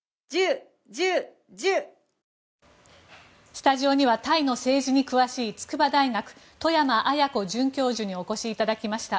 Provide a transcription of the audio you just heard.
スタジオにはタイの政治に詳しい筑波大学、外山文子准教授にお越しいただきました。